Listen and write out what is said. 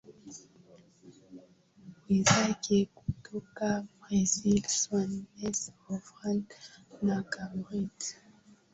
wenzake kutoka Brazil Swansea Oxford na Cambridge